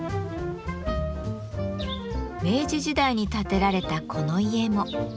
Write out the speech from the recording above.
明治時代に建てられたこの家も。